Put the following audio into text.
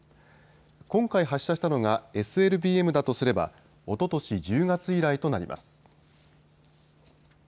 今回発射したのがＳＬＢＭだとすれば、おととし１０月以来となります。